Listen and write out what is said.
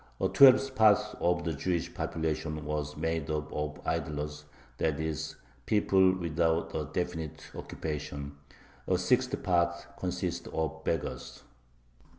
A twelfth part of the Jewish population was made up of "idlers," that is, people without a definite occupation. A sixtieth part consisted of beggars.